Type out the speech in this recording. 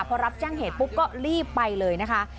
พอรับแจ้งเหตุปุ๊บก็รีบไปเลยนะคะ